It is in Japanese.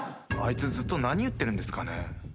あいつずっと何言ってるんですかね。